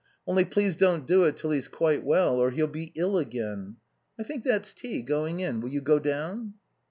Only please don't do it till he's quite well, or he'll be ill again...I think that's tea going in. Will you go down?"